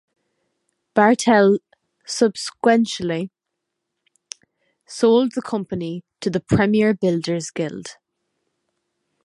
Bartel subsequently sold the company to the Premier Builders Guild.